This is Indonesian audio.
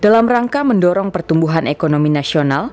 dalam rangka mendorong pertumbuhan ekonomi nasional